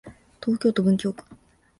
東京都文京区